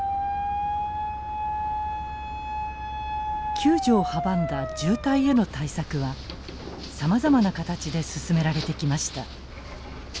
救助を阻んだ渋滞への対策はさまざまな形で進められてきました。